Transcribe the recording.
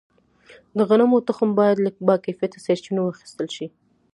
د غنمو تخم باید له باکیفیته سرچینو واخیستل شي.